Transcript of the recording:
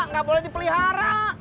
gak boleh dipelihara